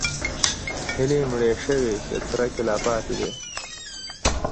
هیلې مړې شوي که څرک یې لا پاتې دی؟